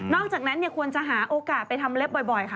อกจากนั้นควรจะหาโอกาสไปทำเล็บบ่อยค่ะ